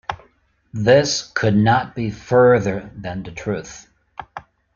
This could not be further than the truth.